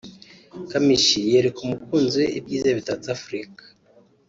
Kamichi yereka umukunzi we ibyiza bitatse Afurika